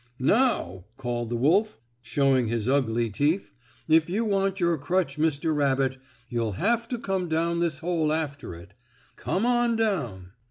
"Now," called the wolf, showing his ugly teeth, "if you want your crutch, Mr. Rabbit, you'll have to come down this hole after it. Come on down."